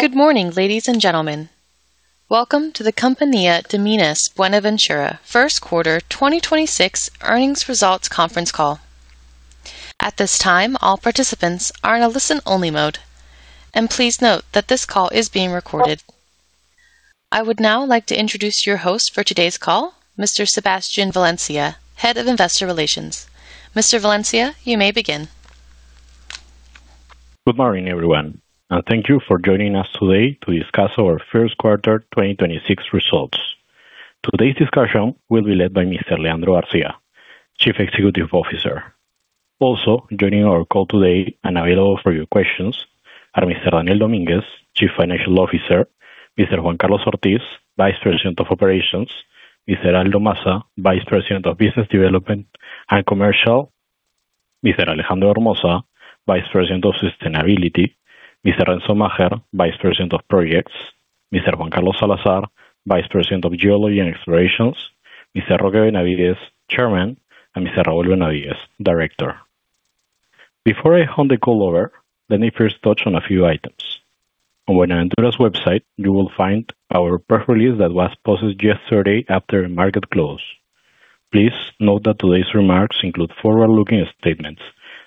Good morning, ladies and gentlemen. Welcome to the Compañía de Minas Buenaventura first quarter 2026 earnings results conference call. At this time, all participants are in a listen-only mode. Please note that this call is being recorded. I would now like to introduce your host for today's call, Mr. Sebastian Valencia, head of investor relations. Mr. Valencia, you may begin. Good morning, everyone, and thank you for joining us today to discuss our first quarter 2026 results. Today's discussion will be led by Mr. Leandro García, Chief Executive Officer. Also joining our call today and available for your questions are Mr. Daniel Domínguez, Chief Financial Officer, Mr. Juan Carlos Ortiz, Vice President of Operations, Mr. Aldo Maza, Vice President of Business Development and Commercial, Mr. Alejandro Hermoza, Vice President of Sustainability, Mr. Renzo Macher, Vice President of Projects, Mr. Juan Carlos Salazar, Vice President of Geology and Explorations, Mr. Roque Benavides, Chairman, and Mr. Raúl Benavides, Director. Before I hand the call over, let me first touch on a few items. On Buenaventura's website, you will find our press release that was posted yesterday after market close. Please note that today's remarks include forward-looking statements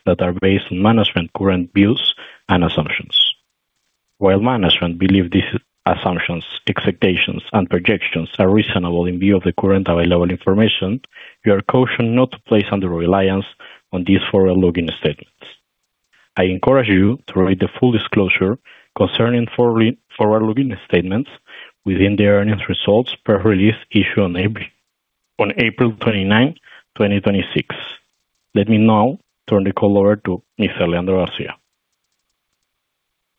that are based on management current views and assumptions. While management believe these assumptions, expectations, and projections are reasonable in view of the current available information, we are cautioned not to place under reliance on these forward-looking statements. I encourage you to read the full disclosure concerning forward-looking statements within the earnings results press release issued on April 29, 2026. Let me now turn the call over to Mr. Leandro García.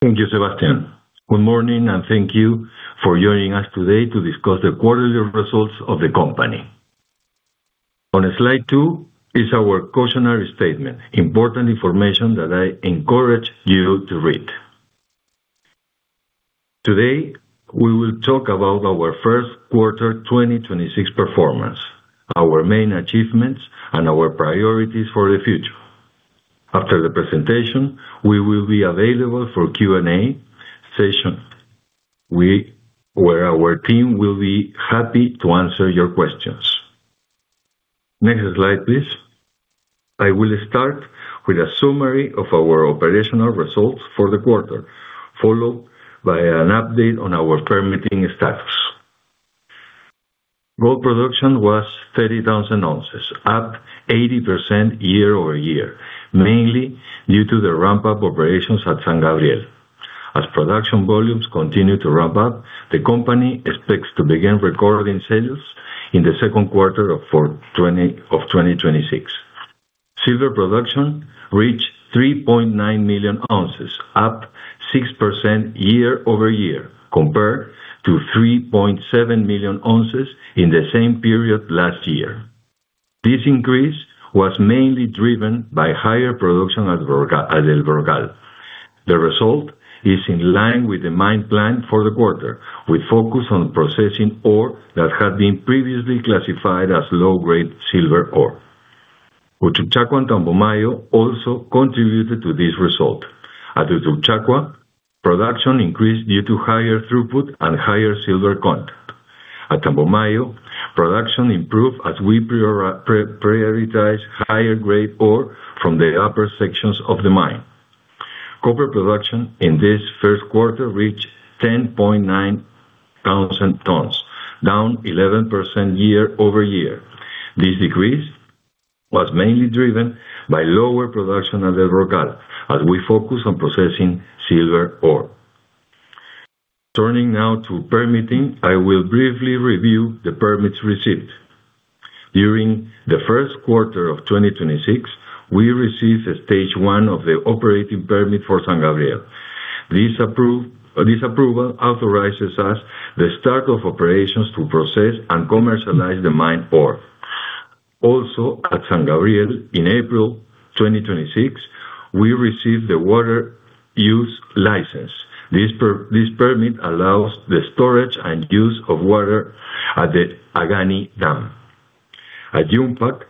Thank you, Sebastian. Good morning, and thank you for joining us today to discuss the quarterly results of the company. On slide 2 is our cautionary statement, important information that I encourage you to read. Today, we will talk about our first quarter 2026 performance, our main achievements, and our priorities for the future. After the presentation, we will be available for Q&A session where our team will be happy to answer your questions. Next slide, please. I will start with a summary of our operational results for the quarter, followed by an update on our permitting status. Gold production was 30,000 oz, up 80% year-over-year, mainly due to the ramp-up operations at San Gabriel. As production volumes continue to ramp up, the company expects to begin recording sales in the second quarter of 2026. Silver production reached 3.9 million oz, up 6% year-over-year compared to 3.7 million oz in the same period last year. This increase was mainly driven by higher production at El Brocal. The result is in line with the mine plan for the quarter, with focus on processing ore that had been previously classified as low-grade silver ore. Uchucchacua and Tambomayo also contributed to this result. At Uchucchacua, production increased due to higher throughput and higher silver content. At Tambomayo, production improved as we prioritized higher-grade ore from the upper sections of the mine. Copper production in this first quarter reached 10,900 tons, down 11% year-over-year. This decrease was mainly driven by lower production at El Brocal as we focus on processing silver ore. Turning now to permitting, I will briefly review the permits received. During the first quarter of 2026, we received a stage 1 of the operating permit for San Gabriel. This approval authorizes us the start of operations to process and commercialize the mine ore. Also, at San Gabriel, in April 2026, we received the water use license. This permit allows the storage and use of water at the Agani Dam. At Yumpag,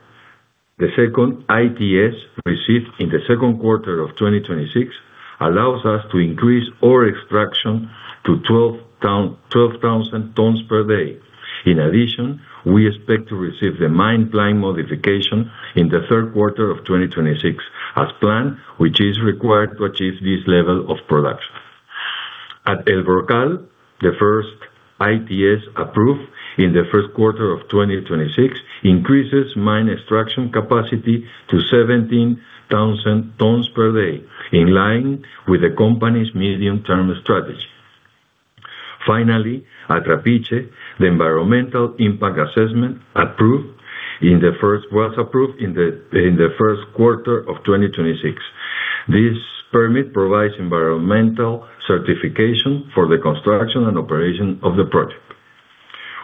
the second ITS received in the second quarter of 2026 allows us to increase ore extraction to 12,000 tons per day. In addition, we expect to receive the mine plan modification in the third quarter of 2026 as planned, which is required to achieve this level of production. At El Brocal, the first ITS approved in the first quarter of 2026 increases mine extraction capacity to 17,000 tons per day, in line with the company's medium-term strategy. Finally, at Trapiche, the environmental impact assessment was approved in the first quarter of 2026. This permit provides environmental certification for the construction and operation of the project.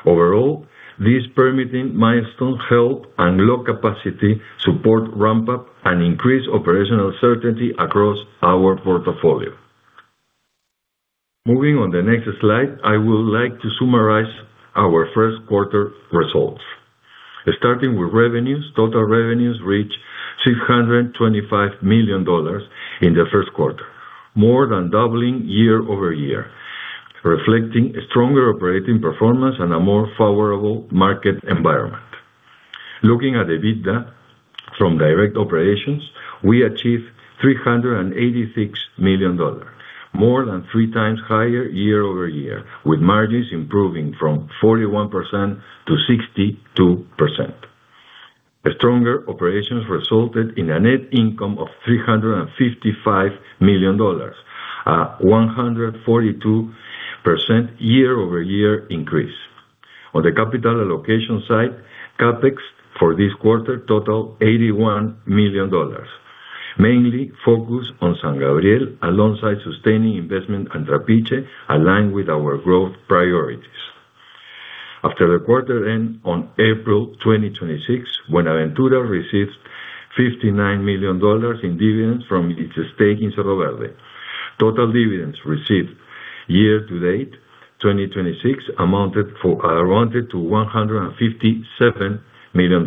Overall, these permitting milestones help unlock capacity, support ramp-up, and increase operational certainty across our portfolio. Moving on the next slide, I would like to summarize our first quarter results. Starting with revenues. Total revenues reached $625 million in the first quarter, more than doubling year-over-year, reflecting a stronger operating performance and a more favorable market environment. Looking at the EBITDA from direct operations, we achieved $386 million, more than three times higher year-over-year, with margins improving from 41% to 62%. The stronger operations resulted in a net income of $355 million, a 142% year-over-year increase. On the capital allocation side, CapEx for this quarter totaled $81 million, mainly focused on San Gabriel alongside sustaining investment and Trapiche aligned with our growth priorities. After the quarter end on April 2026, when Buenaventura received $59 million in dividends from its stake in Cerro Verde, total dividends received year-to-date 2026 amounted to $157 million.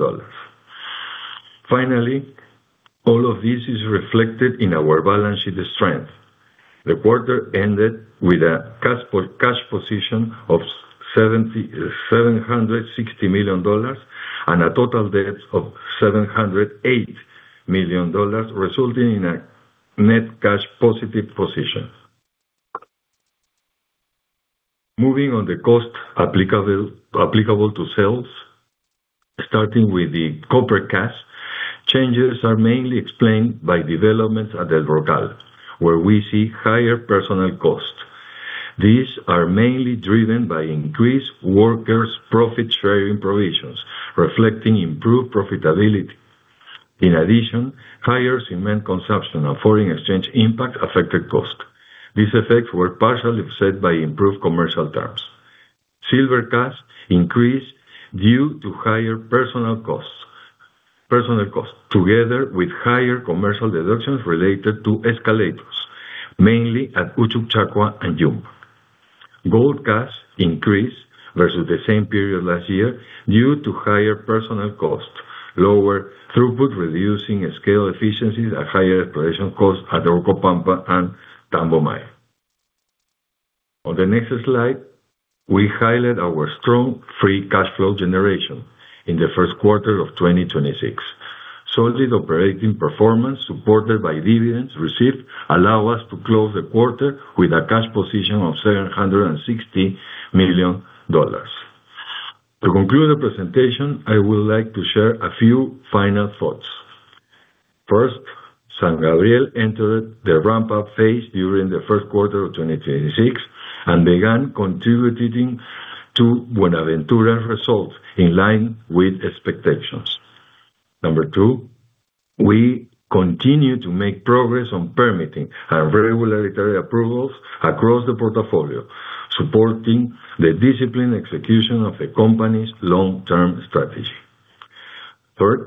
All of this is reflected in our balance sheet strength. The quarter ended with a cash position of $760 million and a total debt of $708 million, resulting in a net cash positive position. Moving on the cost applicable to sales, starting with the copper cash, changes are mainly explained by developments at El Brocal, where we see higher personnel costs. These are mainly driven by increased workers' profit sharing provisions, reflecting improved profitability. In addition, hires in men consumption and foreign exchange impact affected cost. These effects were partially offset by improved commercial terms. Silver cash increased due to higher personal costs, together with higher commercial deductions related to escalators, mainly at Uchucchacua and Yumpag. Gold cash increased versus the same period last year due to higher personnel costs, lower throughput, reducing scale efficiencies at higher exploration costs at Orcopampa and Tambomayo. On the next slide, we highlight our strong free cash flow generation in the first quarter of 2026. Solid operating performance supported by dividends received allow us to close the quarter with a cash position of $760 million. To conclude the presentation, I would like to share a few final thoughts. First, San Gabriel entered the ramp-up phase during the first quarter of 2026 and began contributing to Buenaventura results in line with expectations. Number two, we continue to make progress on permitting our regulatory approvals across the portfolio, supporting the disciplined execution of the company's long-term strategy. Third,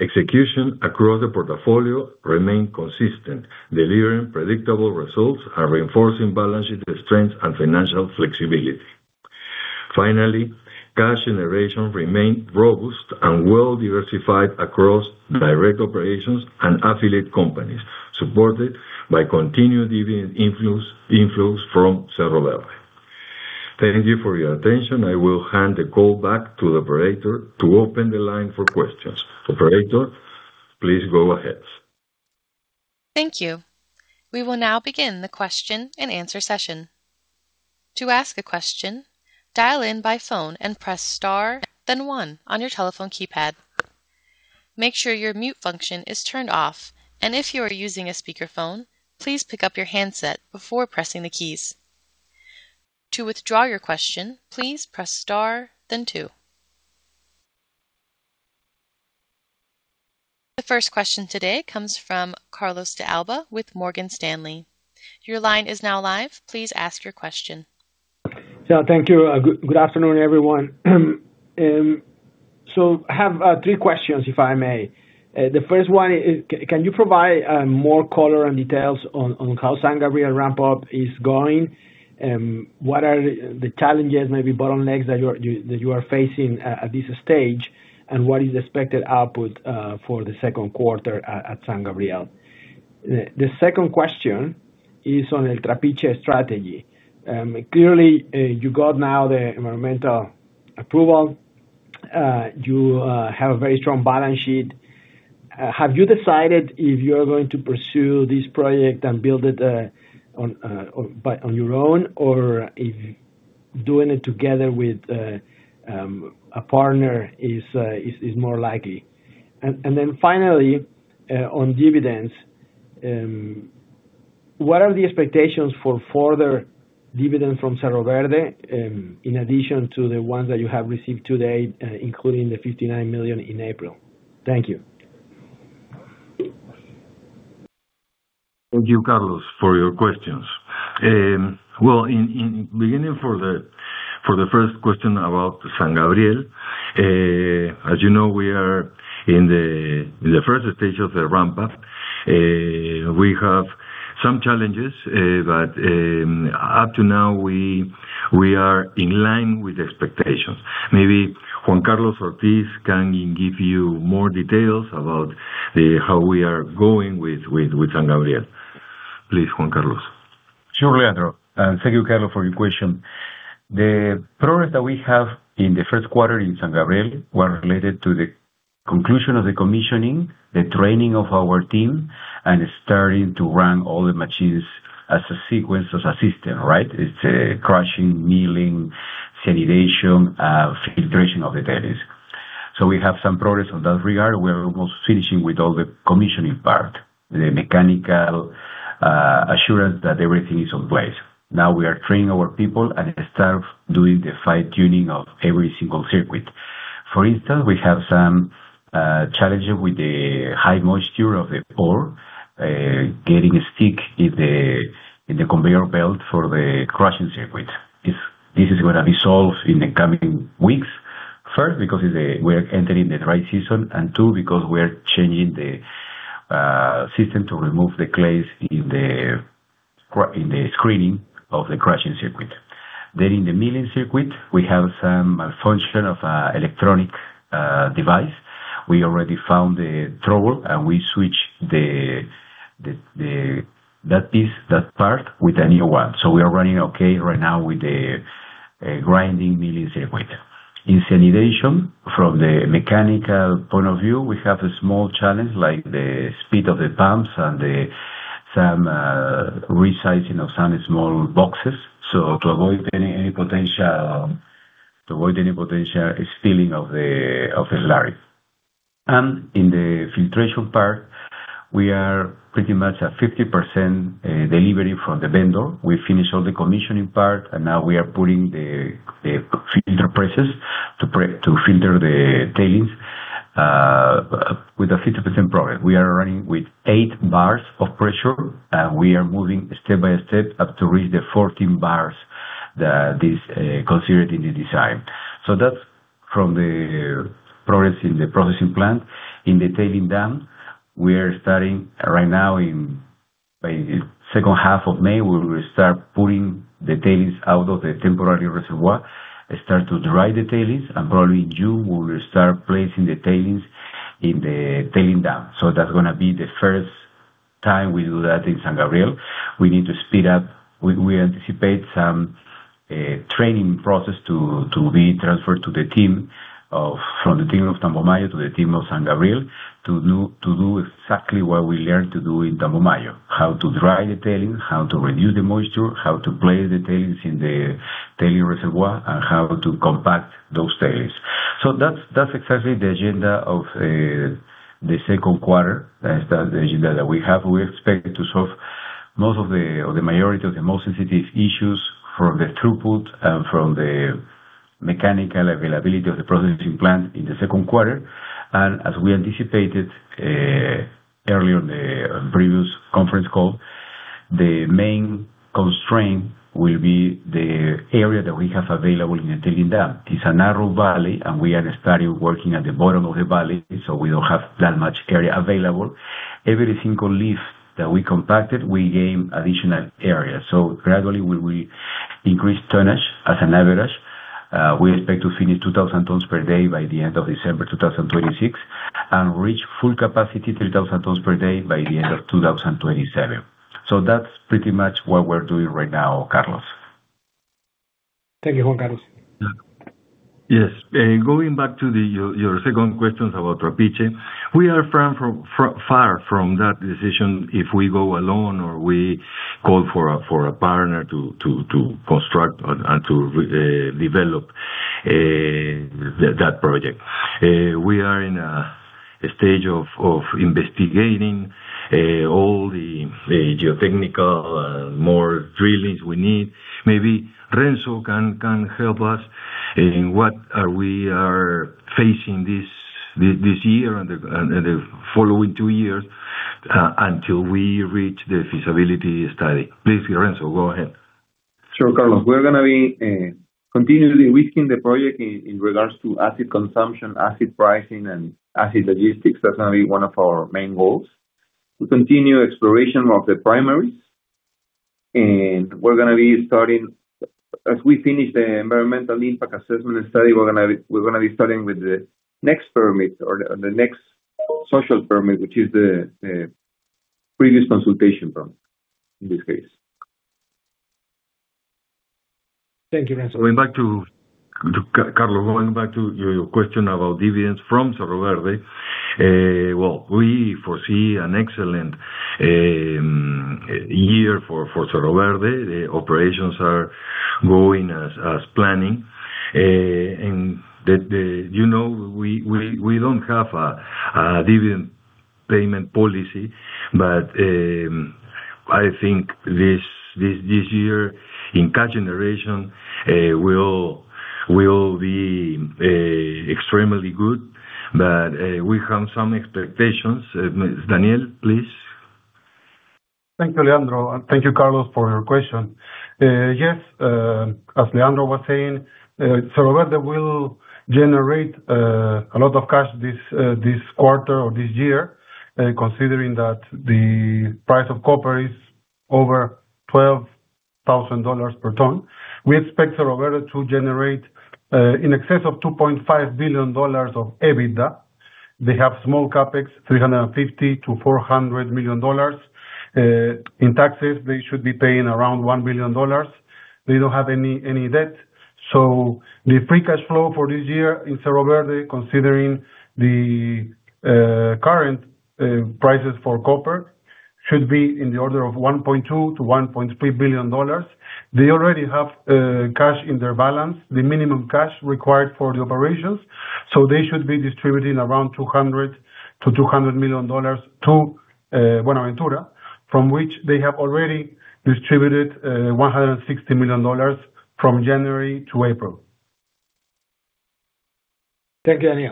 execution across the portfolio remained consistent, delivering predictable results and reinforcing balance sheet strength and financial flexibility. Finally, cash generation remained robust and well diversified across direct operations and affiliate companies, supported by continued dividend influence from Cerro Verde. Thank you for your attention. I will hand the call back to the operator to open the line for questions. Operator, please go ahead. Thank you. We will now begin the question-and-answer session. To ask a question, dial in by phone and press star, then one on your telephone keypad. Make sure your mute function is turned off, and if you are using a speakerphone, please pick up your handset before pressing the keys. To withdraw your question, please press star then two. The first question today comes from Carlos de Alba with Morgan Stanley. Your line is now live. Please ask your question. Thank you. Good afternoon, everyone. I have three questions, if I may. The first one is, can you provide more color and details on how San Gabriel ramp-up is going? What are the challenges, maybe bottlenecks that you are facing at this stage, and what is the expected output for the second quarter at San Gabriel? The second question is on El Trapiche strategy. Clearly, you got now the environmental approval. You have a very strong balance sheet. Have you decided if you are going to pursue this project and build it on your own or if doing it together with a partner is more likely? Then finally, on dividends, what are the expectations for further dividends from Cerro Verde, in addition to the ones that you have received to date, including the $59 million in April? Thank you. Thank you, Carlos, for your questions. Well, in beginning for the first question about San Gabriel, as you know, we are in the first stage of the ramp-up. We have some challenges, but up to now, we are in line with expectations. Maybe Juan Carlos Ortiz can give you more details about how we are going with San Gabriel. Please, Juan Carlos. Sure, Leandro. Thank you, Carlos, for your question. The progress that we have in the first quarter in San Gabriel were related to the conclusion of the commissioning, the training of our team, and starting to run all the machines as a sequence, as a system, right? It's crushing, milling, cyanidation, filtration of the tailings. We have some progress on that regard. We are almost finishing with all the commissioning part, the mechanical assurance that everything is in place. Now we are training our people and start doing the fine-tuning of every single circuit. For instance, we have some challenges with the high moisture of the ore, getting stuck in the conveyor belt for the crushing circuit. This is gonna be solved in the coming weeks. First, because it's we're entering the dry season, and two, because we are changing the system to remove the clays in the screening of the crushing circuit. In the milling circuit, we have some malfunction of electronic device. We already found the trouble, and we switched the that piece, that part with a new one. We are running okay right now with the grinding milling circuit. In cyanidation, from the mechanical point of view, we have a small challenge, like the speed of the pumps and some resizing of some small boxes. To avoid any potential spilling of the leachate. In the filtration part, we are pretty much at 50% delivery from the vendor. We finished all the commissioning part. Now we are putting the filter presses to filter the tailings with a 50% progress. We are running with 8 bars of pressure. We are moving step by step up to reach the 14 bars that is considered in the design. That's from the progress in the processing plant. In the tailing dam, we are starting right now by second half of May. We will start pulling the tailings out of the temporary reservoir and start to dry the tailings. Probably in June, we will start placing the tailings in the tailing dam. That's gonna be the first time we do that in San Gabriel. We need to speed up. We anticipate some training process to be transferred from the team of Tambomayo to the team of San Gabriel to do exactly what we learned to do in Tambomayo. How to dry the tailings, how to reduce the moisture, how to place the tailings in the tailing reservoir, and how to compact those tailings. That's exactly the agenda of the second quarter. That's the agenda that we have. We expect to solve the majority of the most sensitive issues from the throughput and from the mechanical availability of the processing plant in the second quarter. As we anticipated earlier in the previous conference call, the main constraint will be the area that we have available in the tailing dam. It's a narrow valley, and we are starting working at the bottom of the valley, so we don't have that much area available. Every single lift that we compacted, we gain additional area. Gradually we will increase tonnage as an average. We expect to finish 2,000 tons per day by the end of December 2026 and reach full capacity, 3,000 tons per day by the end of 2027. That's pretty much what we're doing right now, Carlos. Thank you, Juan Carlos. Yes. Going back to your second question about Trapiche. We are far from that decision, if we go alone or we call for a partner to construct and to develop that project. We are in a stage of investigating all the geotechnical more drillings we need. Maybe Renzo can help us in what we are facing this year and the following two years until we reach the feasibility study. Please, Renzo, go ahead. Sure, Carlos. We're gonna be continuously risking the project in regards to acid consumption, acid pricing, and acid logistics. That's gonna be one of our main goals. To continue exploration of the primaries. We're gonna be starting, as we finish the environmental impact assessment study, we're gonna be starting with the next permit or the next social permit, which is the prior consultation permit in this case. Thank you, Renzo. Going back to Carlos, going back to your question about dividends from Cerro Verde. Well, we foresee an excellent year for Cerro Verde. The operations are going as planning. The, you know, we don't have a dividend payment policy. I think this year in cash generation will be extremely good. We have some expectations. Daniel, please. Thank you, Leandro. Thank you, Carlos, for your question. Yes, as Leandro was saying, Cerro Verde will generate a lot of cash this quarter or this year, considering that the price of copper is over $12,000 per ton. We expect Cerro Verde to generate in excess of $2.5 billion of EBITDA. They have small CapEx, $350 million-$400 million. In taxes, they should be paying around $1 billion. They don't have any debt. The free cash flow for this year in Cerro Verde, considering the current prices for copper, should be in the order of $1.2 billion-$1.3 billion. They already have cash in their balance, the minimum cash required for the operations. They should be distributing around $200 million to Buenaventura, from which they have already distributed $160 million from January to April. Thank you.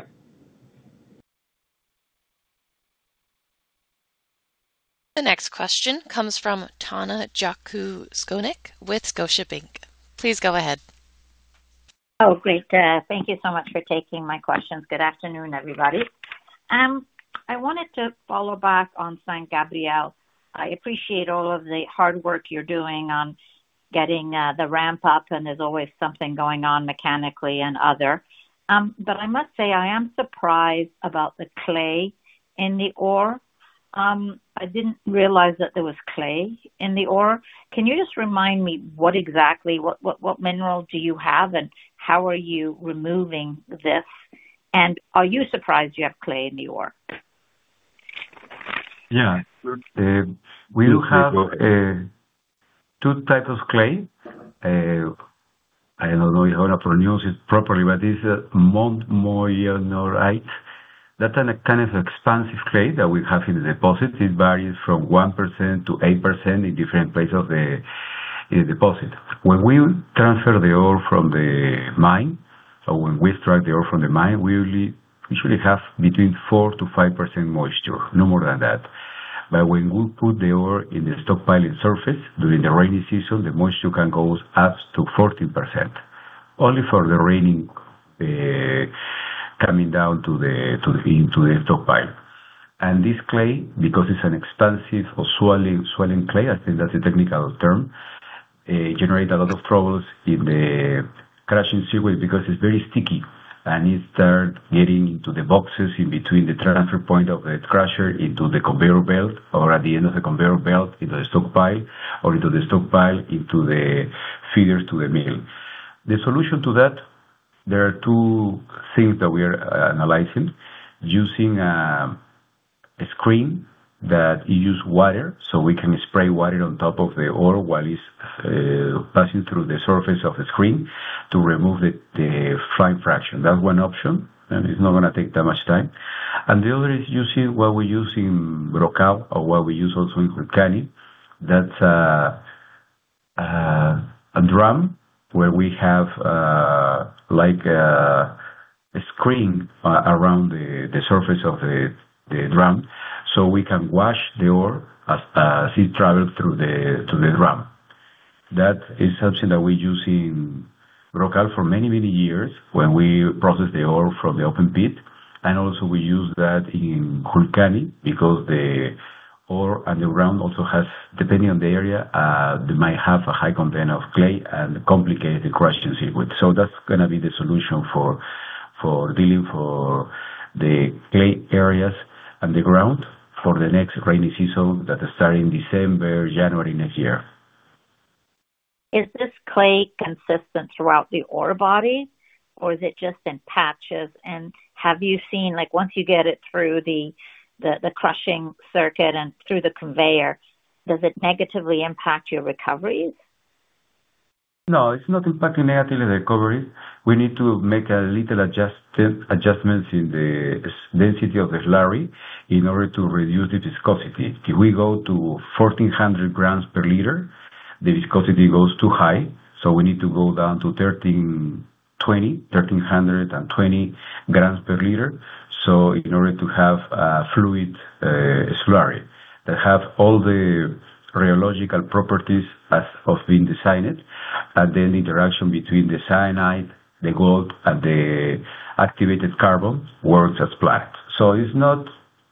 The next question comes from Tanya Jakusconek with Scotiabank. Please go ahead. Great. Thank you so much for taking my questions. Good afternoon, everybody. I wanted to follow back on San Gabriel. I appreciate all of the hard work you're doing on getting the ramp up, and there's always something going on mechanically and other. I must say, I am surprised about the clay in the ore. I didn't realize that there was clay in the ore. Can you just remind me what exactly, what mineral do you have, and how are you removing this? Are you surprised you have clay in the ore? Yeah. We do have two types of clay. I don't know if I'll pronounce it properly, but it's montmorillonite. That's a kind of expansive clay that we have in the deposit. It varies from 1%-8% in different places of the, in the deposit. When we transfer the ore from the mine, or when we extract the ore from the mine, we usually have between 4%-5% moisture, no more than that. When we put the ore in the stockpiling surface during the rainy season, the moisture can go up to 14%. Only for the raining coming down into the stockpile. This clay, because it's an expansive or swelling clay, I think that's the technical term, generates a lot of troubles in the crushing circuit because it's very sticky. It starts getting into the boxes in between the transfer point of the crusher into the conveyor belt or at the end of the conveyor belt into the stockpile or into the stockpile into the feeders to the mill. The solution to that, there are two things that we are analyzing. Using a screen that use water, so we can spray water on top of the ore while it's passing through the surface of the screen to remove the fine fraction. That's one option, and it's not gonna take that much time. The other is using what we use in Brocal or what we use also in Julcani. That's a drum where we have like a screen around the surface of the drum, so we can wash the ore as it travels through the drum. That is something that we use in El Brocal for many, many years when we process the ore from the open pit. Also we use that in Julcani because the ore underground also has, depending on the area, they might have a high content of clay and complicate the crushing circuit. That's gonna be the solution for dealing for the clay areas underground for the next rainy season that starts in December, January next year. Is this clay consistent throughout the ore body or is it just in patches? Have you seen, like, once you get it through the crushing circuit and through the conveyor, does it negatively impact your recoveries? No, it's not impacting negatively the recoveries. We need to make a little adjustments in the density of the slurry in order to reduce the viscosity. If we go to 1,400 g/L, the viscosity goes too high. We need to go down to 1,320 g/L. In order to have a fluid slurry that have all the rheological properties as of being designed. Then interaction between the cyanide, the gold, and the activated carbon works as planned. It's not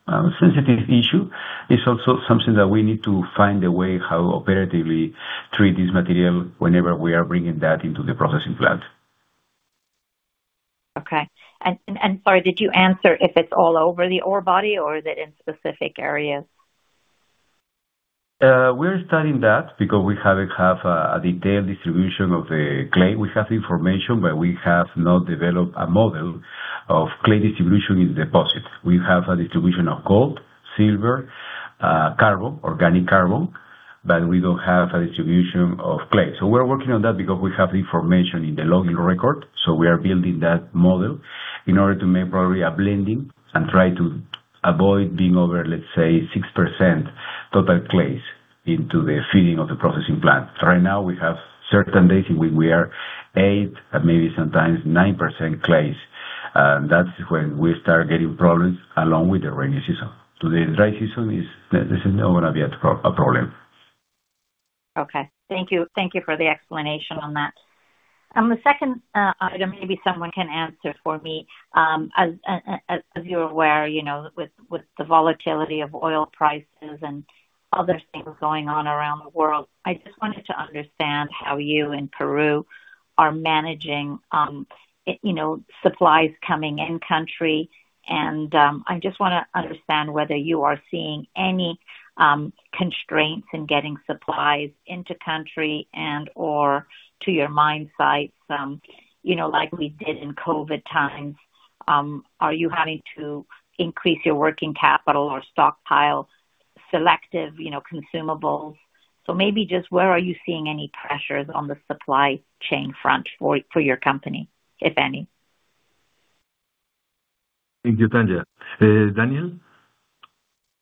a sensitive issue. It's also something that we need to find a way how operatively treat this material whenever we are bringing that into the processing plant. Okay. Sorry, did you answer if it's all over the ore body or is it in specific areas? We're studying that because we haven't have a detailed distribution of the clay. We have information, but we have not developed a model of clay distribution in deposits. We have a distribution of gold, silver, carbon, organic carbon, but we don't have a distribution of clay. We're working on that because we have information in the logging record. We are building that model in order to make probably a blending and try to avoid being over, let's say, 6% total clays into the feeding of the processing plant. Right now, we have certain days in which we are 8%, maybe sometimes 9% clays. That's when we start getting problems along with the rainy season. The dry season is, this is not going to be a problem. Okay. Thank you. Thank you for the explanation on that. The second item, maybe someone can answer for me. As you're aware, you know, with the volatility of oil prices and other things going on around the world, I just wanted to understand how you and Peru are managing, you know, supplies coming in country. I just wanna understand whether you are seeing any constraints in getting supplies into country and/or to your mine sites, you know, like we did in COVID times. Are you having to increase your working capital or stockpile selective, you know, consumables? So maybe just where are you seeing any pressures on the supply chain front for your company, if any? Thank you, Tanya. Daniel?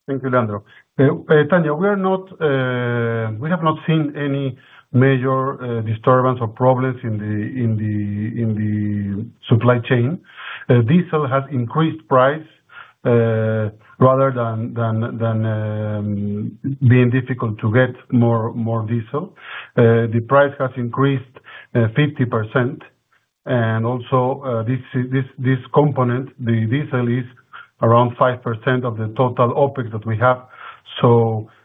Thank you, Leandro. Tanya, we are not, we have not seen any major disturbance or problems in the supply chain. Diesel has increased price, rather than being difficult to get more diesel. The price has increased 50%. Also, this component, the diesel is around 5% of the total OpEx that we have.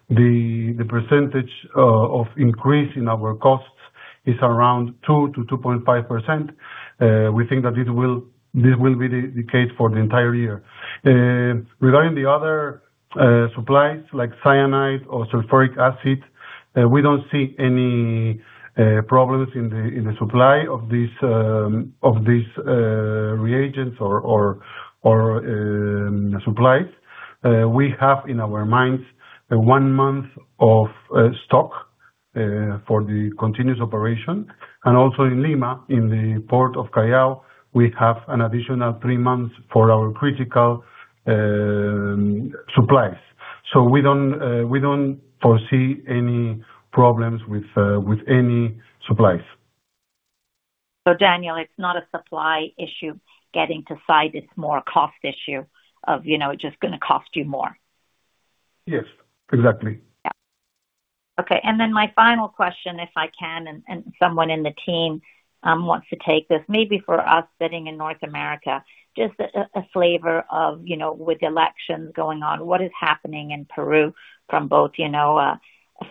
The percentage of increase in our costs is around 2%-2.5%. We think that this will be the case for the entire year. Regarding the other supplies like cyanide or sulfuric acid, we don't see any problems in the supply of these reagents or supplies. We have in our mines, one month of stock for the continuous operation. Also in Lima, in the port of Callao, we have an additional three months for our critical supplies. We don't foresee any problems with any supplies. Daniel, it's not a supply issue getting to site. It's more a cost issue of, you know, just gonna cost you more. Yes, exactly. Yeah. Okay. Then my final question, if I can, and someone in the team wants to take this, maybe for us sitting in North America, just a flavor of, you know, with elections going on, what is happening in Peru from both, you know, a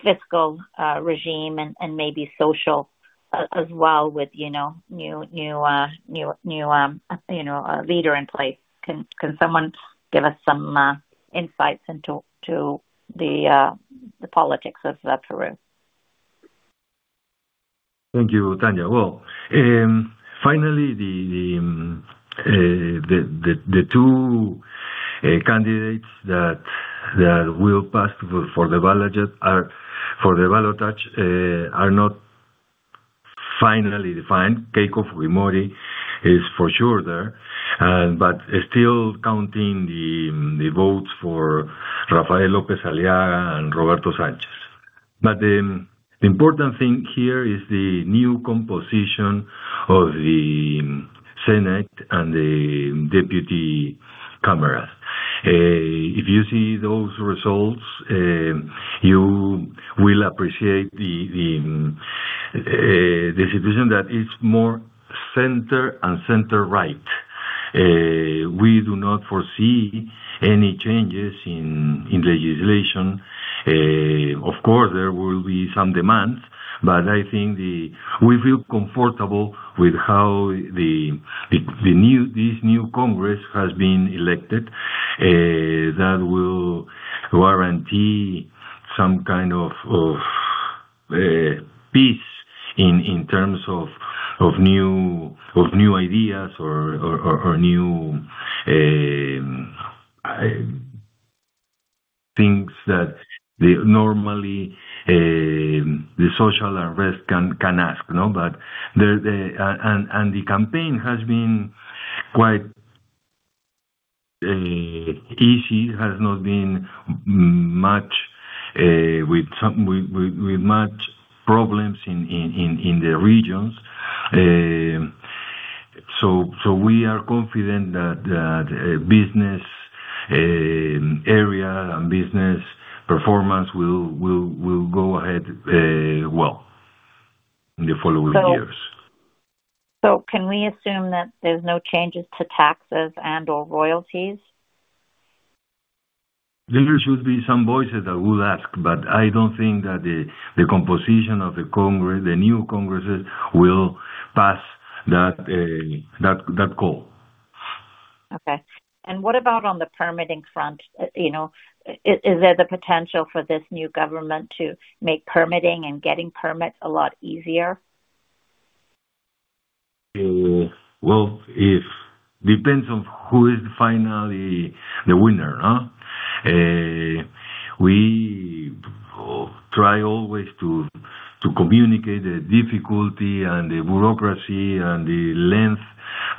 fiscal regime and maybe social as well with, you know, new, you know, a leader in place. Can someone give us some insights into the politics of Peru? Thank you, Tanya. Well, finally, the two candidates that will pass for the ballotage are not finally defined. Keiko Fujimori is for sure there. But still counting the votes for Rafael López Aliaga and Roberto Sánchez. The important thing here is the new composition of the senate and the deputy cameras. If you see those results, you will appreciate the situation that is more center and center right. We do not foresee any changes in legislation. Of course, there will be some demands, but I think the... We feel comfortable with how this new Congress has been elected, that will guarantee some kind of peace in terms of new ideas or new things that normally the social unrest can ask, no. The campaign has been quite easy. It has not been much with much problems in the regions. We are confident that business area and business performance will go ahead well in the following years. Can we assume that there's no changes to taxes and/or royalties? There should be some voices that will ask, but I don't think that the composition of the Congress, the new Congresses will pass that goal. Okay. What about on the permitting front? You know, is there the potential for this new government to make permitting and getting permits a lot easier? Well, depends on who is finally the winner. We try always to communicate the difficulty and the bureaucracy and the length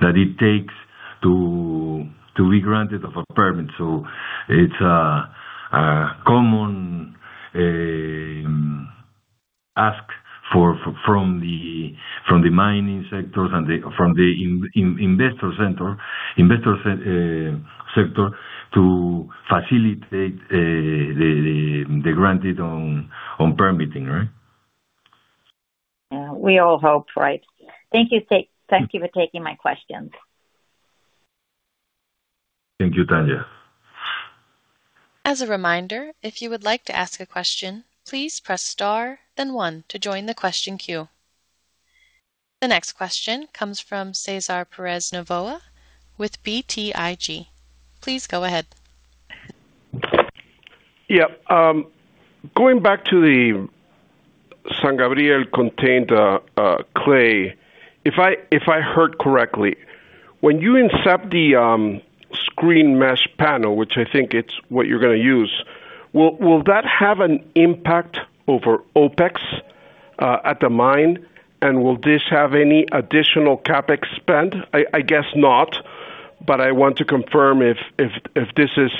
that it takes to be granted of a permit. It's a common ask for from the mining sectors and the from the investor sector to facilitate the granted on permitting, right? Yeah, we all hope, right? Thank you. Thank you for taking my questions. Thank you, Tanya. As a reminder, if you would like to ask a question, please press star then one to join the question queue. The next question comes from César Pérez Novoa with BTG. Please go ahead. Yeah. Going back to the San Gabriel contained clay. If I heard correctly, when you insert the screen mesh panel, which I think it's what you're gonna use, will that have an impact over OpEx at the mine? Will this have any additional CapEx spend? I guess not, but I want to confirm if this is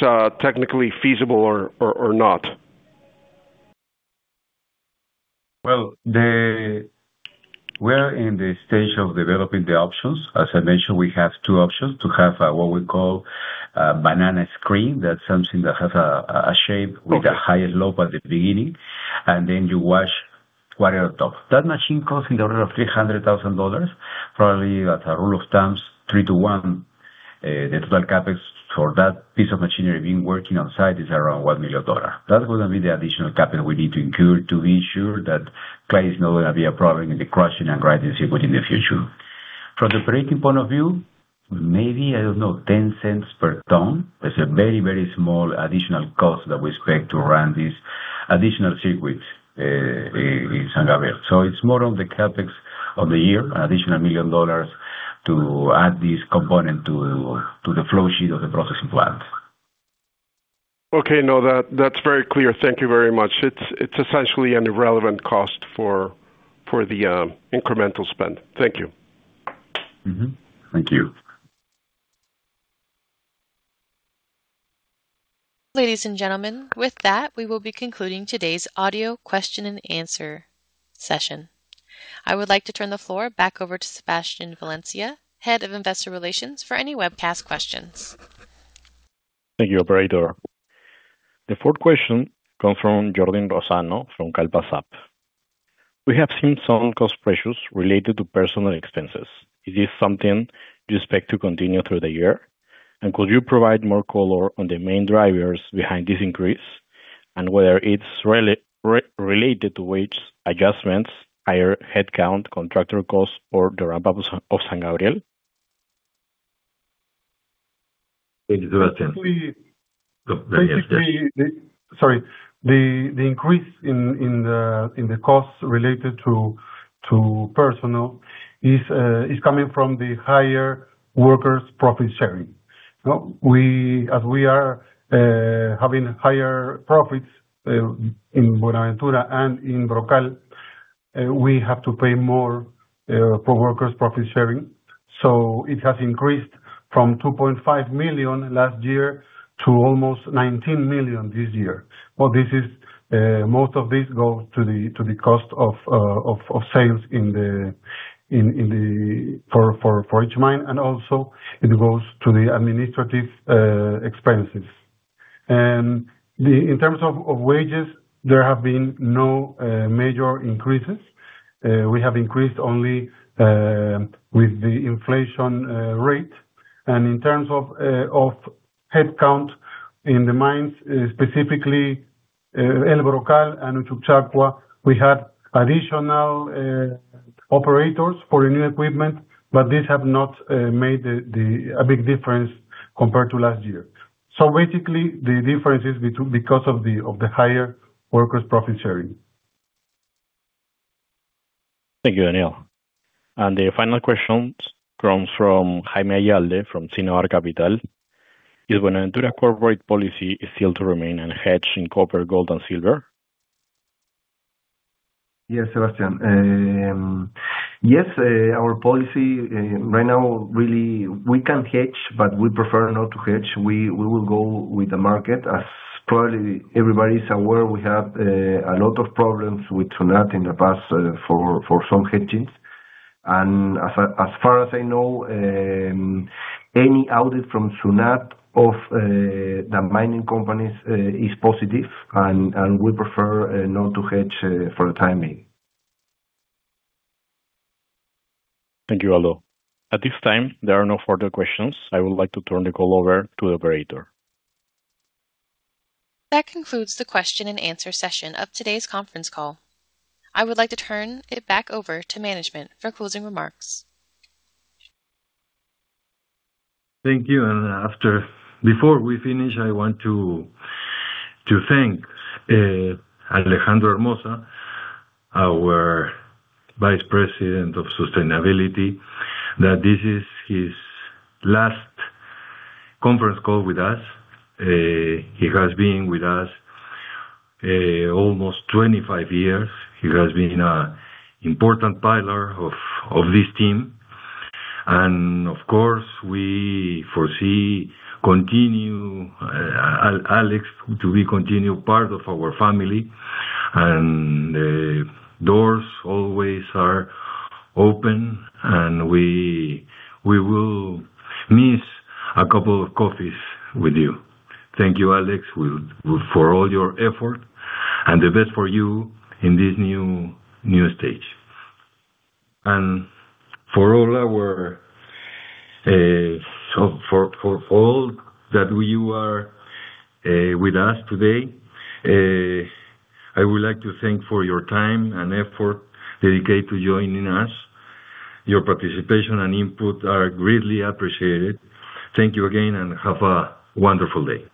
technically feasible or not. Well, we're in the stage of developing the options. As I mentioned, we have two options, to have what we call a banana screen. Okay. -with a higher slope at the beginning, and then you wash quarter top. That machine costs in the order of $300,000. Probably at a rule of thumb three to one. The total CapEx for that piece of machinery being working on site is around $1 million. That's gonna be the additional capital we need to incur to ensure that clay is not gonna be a problem in the crushing and grinding sequence in the future. From the breaking point of view, maybe, I don't know, $0.10 per ton. That's a very, very small additional cost that we expect to run this additional sequence in San Gabriel. It's more on the CapEx of the year, an additional $1 million to add this component to the flow sheet of the processing plant. Okay. No, that's very clear. Thank you very much. It's essentially an irrelevant cost for the incremental spend. Thank you. Mm-hmm. Thank you. Ladies and gentlemen, with that we will be concluding today's audio question and answer session. I would like to turn the floor back over to Sebastian Valencia, Head of Investor Relations, for any webcast questions. Thank you, operator. The fourth question comes from Jordan Rosado from Kallpa SAB. We have seen some cost pressures related to personal expenses. Is this something you expect to continue through the year? Could you provide more color on the main drivers behind this increase and whether it's related to wage adjustments, higher headcount, contractor costs or the ramp-up of San Gabriel? Thank you, Sebastian. Basically- Go ahead. Basically. Sorry. The increase in the costs related to personnel is coming from the higher workers' profit sharing. As we are having higher profits in Buenaventura and in Brocal, we have to pay more for workers' profit sharing. It has increased from $2.5 million last year to almost $19 million this year. Most of this goes to the cost of sales for each mine, and also it goes to the administrative expenses. In terms of wages, there have been no major increases. We have increased only with the inflation rate. In terms of headcount in the mines, specifically, El Brocal and Uchucchacua, we had additional operators for the new equipment, but these have not made the a big difference compared to last year. Basically, the difference is because of the higher workers' profit sharing. Thank you, Daniel. The final question comes from [Jaime Yalde from Cenor Capital]. Is Buenaventura corporate policy still to remain unhedged in copper, gold and silver? Yes, Sebastian. Yes, our policy right now, really we can hedge, we prefer not to hedge. We will go with the market. As probably everybody is aware, we have a lot of problems with SUNAT in the past for some hedgings. As far as I know, any audit from SUNAT of the mining companies is positive, we prefer not to hedge for the time being. Thank you, Aldo. At this time, there are no further questions. I would like to turn the call over to the operator. That concludes the question and answer session of today's conference call. I would like to turn it back over to management for closing remarks. Thank you. Before we finish, I want to thank Alejandro Hermoza, our Vice President of Sustainability, that this is his last conference call with us. He has been with us almost 25 years. He has been an important pillar of this team. Of course, we foresee continue, Alex to be continued part of our family. Doors always are open, and we will miss a couple of coffees with you. Thank you, Alex. For all your effort and the best for you in this new stage. For all our, for all that you are with us today, I would like to thank for your time and effort dedicated to joining us. Your participation and input are greatly appreciated. Thank you again. Have a wonderful day.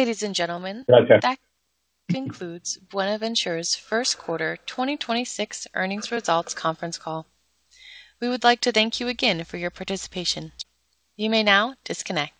Ladies and gentlemen. Okay. That concludes Buenaventura's first quarter 2026 earnings results conference call. We would like to thank you again for your participation. You may now disconnect.